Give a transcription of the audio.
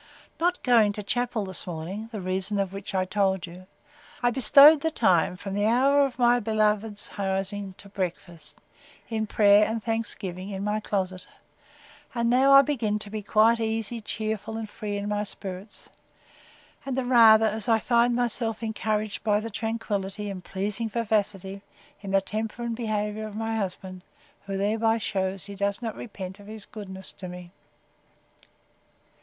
Not going to chapel this morning, the reason of which I told you, I bestowed the time, from the hour of my beloved's rising, to breakfast, in prayer and thanksgiving, in my closet; and now I begin to be quite easy, cheerful, and free in my spirits; and the rather, as I find myself encouraged by the tranquillity, and pleasing vivacity, in the temper and behaviour of my beloved, who thereby shews he does not repent of his goodness to me.